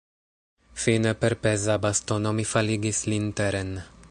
Fine per peza bastono mi faligis lin teren.